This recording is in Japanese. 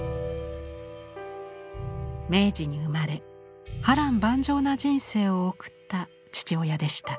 明治に生まれ波乱万丈な人生を送った父親でした。